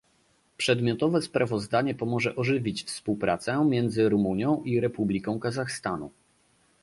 Przedmiotowe sprawozdanie pomoże ożywić współpracę między Rumunią i Republiką Kazachstanu